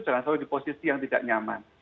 jangan sampai di posisi yang tidak nyaman